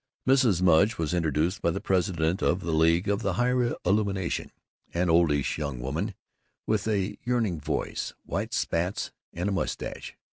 Mrs. Mudge was introduced by the president of the League of the Higher Illumination, an oldish young woman with a yearning voice, white spats, and a mustache.